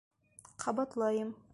Ҡабатлайым!